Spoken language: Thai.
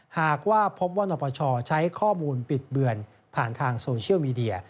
หากว่าพบว่านปชใช้ข้อมูลปิดเบือนผ่านทางโซเชียลมีเดีย